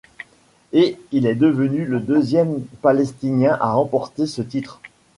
Et il est devenu le deuxième Palestinien à remporter ce titre.